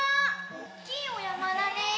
おっきいおやまだね。